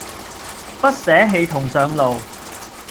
不捨棄同上路